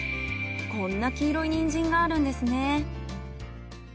こんな黄色いニンジンがあるんですね。